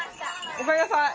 おかえりなさい。